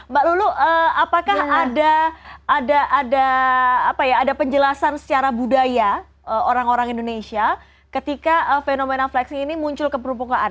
mbak lulu apakah ada penjelasan secara budaya orang orang indonesia ketika fenomena flexing ini muncul ke permukaan